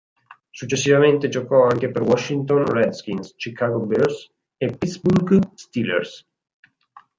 Successivamente giocò anche per Washington Redskins, Chicago Bears e Pittsburgh Steelers.